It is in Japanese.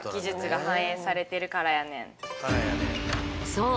そう！